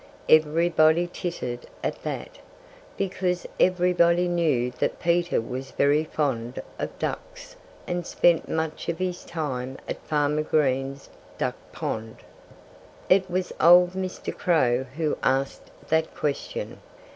Everybody tittered at that, because everybody knew that Peter was very fond of ducks and spent much of his time at Farmer Green's duck pond. It was old Mr. Crow who asked that question.